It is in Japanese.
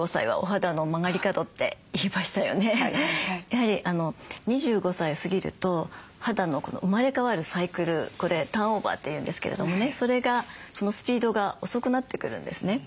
やはり２５歳を過ぎると肌の生まれ変わるサイクルこれターンオーバーって言うんですけれどもねそれがそのスピードが遅くなってくるんですね。